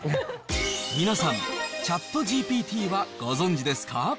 皆さん、ＣｈａｔＧＰＴはご存じですか？